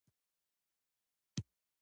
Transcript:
عدل د پاچاهۍ څه دی؟